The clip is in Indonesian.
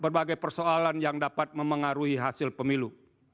berbagai persoalan yang dapat memengaruhi hasil pemilu